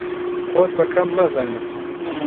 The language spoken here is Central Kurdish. خۆت بە کەم مەزانە.